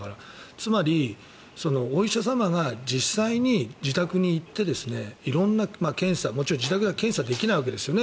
つまりお医者様が実際に自宅に行って色んな検査、もちろん自宅では検査ができないわけですよね。